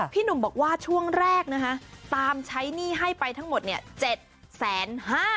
พี่หนุ่มบอกว่าช่วงแรกนะคะตามใช้หนี้ให้ไปทั้งหมดเนี่ย๗๕๐๐บาท